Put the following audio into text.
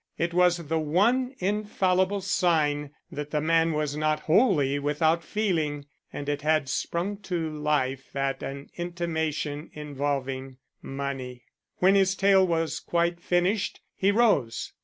It was the one infallible sign that the man was not wholly without feeling, and it had sprung to life at an intimation involving money. When his tale was quite finished, he rose.